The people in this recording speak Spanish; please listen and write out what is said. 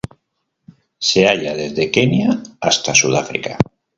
Se halla desde Kenia hasta Sudáfrica.